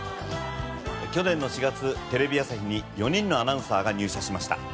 去年の４月テレビ朝日に４人のアナウンサーが入社しました。